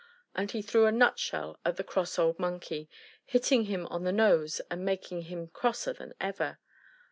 And he threw a nut shell at the cross old Monkey, hitting him on the nose and making him crosser than ever.